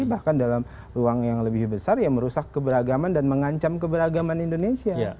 bahkan dalam ruang yang lebih besar ya merusak keberagaman dan mengancam keberagaman indonesia